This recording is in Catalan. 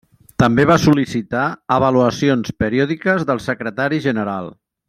També va sol·licitar avaluacions periòdiques del Secretari General.